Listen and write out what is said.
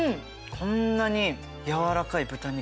こんなに柔らかい豚肉